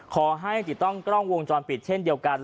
ขอให้ติดตั้งกล้องวงจรปิดเช่นเดียวกัน